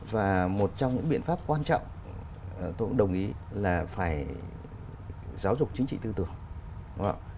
và một trong những biện pháp quan trọng tôi cũng đồng ý là phải giáo dục chính trị tư tưởng